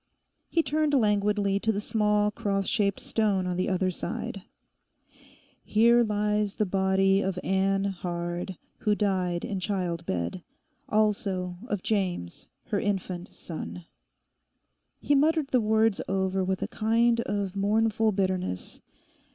He turned languidly to the small cross shaped stone on the other side: 'Here lies the body of Ann Hard, who died in child bed. Also of James, her infant son.' He muttered the words over with a kind of mournful bitterness.